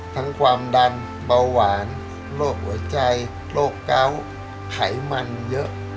ความดันเบาหวานโรคหัวใจโรคเกาะไขมันเยอะ